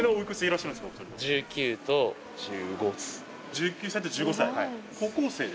１９歳と１５歳。